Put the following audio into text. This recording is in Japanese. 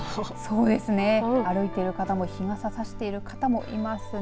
そうですね、歩いている方も日傘をさしている方もいますね。